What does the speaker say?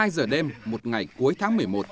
hai mươi hai giờ đêm một ngày cuối tháng một mươi một